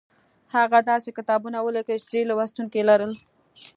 هغه داسې کتابونه ولیکل چې ډېر لوستونکي یې لرل